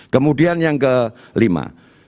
kemudian yang kelima